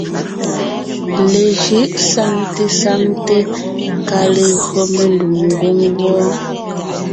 Lejʉ̌ʼ saŋte saŋte kà légÿo mendùm ngwóŋ wɔ́ɔ.